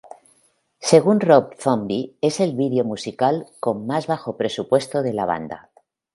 Según Rob Zombie, es el video musical con más bajo presupuesto de la banda.